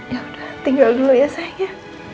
ya udah tinggal dulu ya sayang ya